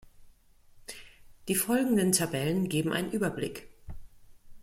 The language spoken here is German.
Die folgenden Tabellen geben einen Überblick.